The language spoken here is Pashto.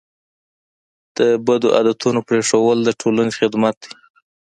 د بد عادتونو پرېښودل د ټولنې خدمت دی.